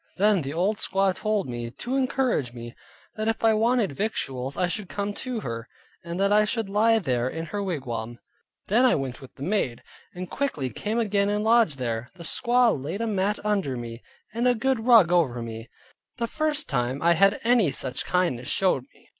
Then the old squaw told me, to encourage me, that if I wanted victuals, I should come to her, and that I should lie there in her wigwam. Then I went with the maid, and quickly came again and lodged there. The squaw laid a mat under me, and a good rug over me; the first time I had any such kindness showed me.